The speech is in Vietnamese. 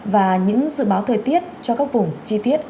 và những dự báo thời tiết cho các vùng chi tiết